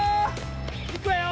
いくわよ。